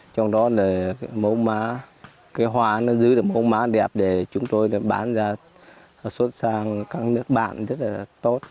trong đó là cái má cái hoa nó giữ được má đẹp để chúng tôi bán ra xuất sang các nước bạn rất là tốt